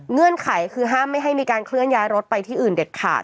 เงื่อนไขคือห้ามไม่ให้มีการเคลื่อนย้ายรถไปที่อื่นเด็ดขาด